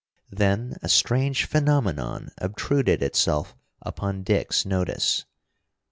Then a strange phenomenon obtruded itself upon Dick's notice.